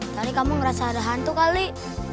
s kamu ngerasai ada hantu kali